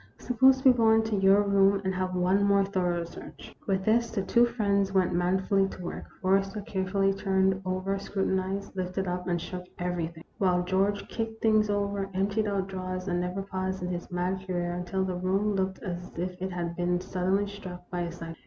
Suppose we go into your room, and have one more thorough search ?" With this the two friends went manfully to work. Forrester carefully turned over, scrutinized, lifted up, and shook everything ; while George kicked things over, emptied out drawers, and never paused in his mad career until the room looked as if it had been suddenly struck by a cyclone.